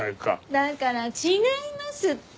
だから違いますって！